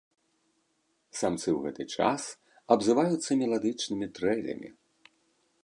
Самцы ў гэты час абзываюцца меладычнымі трэлямі.